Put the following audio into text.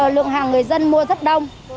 lượng hàng người dân mua rất đông